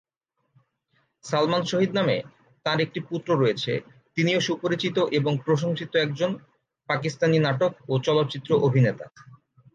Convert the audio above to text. সালমান শহীদ নামে তাঁর একটি পুত্র রয়েছে, তিনিও সুপরিচিত এবং প্রশংসিত একজন পাকিস্তানি নাটক ও চলচ্চিত্র অভিনেতা।